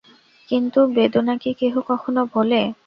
কিন্তু বেদনা কি কেহ কখনো ভোলে।